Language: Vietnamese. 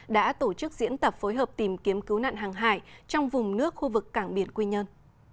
đã tổ chức diễn tập phối hợp tìm kiếm cứu nạn hàng hải trong vùng nước khu vực cảng biển quy nhơn